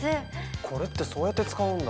これってそうやって使うんだ。